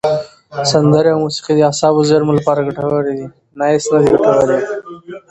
سندرې او موسیقي د اعصابو زېرمو لپاره ګټورې دي.